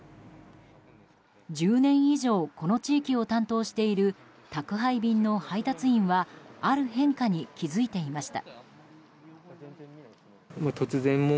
１０年以上この地域を担当している宅配便の配達員はある変化に気づいていました。